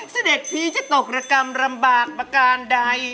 เสด็จพี่จะตกระกำลังบากประกาศใด